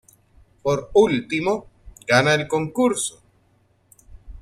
Por último, gana el concurso.